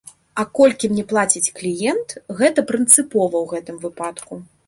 А колькі мне плаціць кліент, гэта прынцыпова ў гэтым выпадку.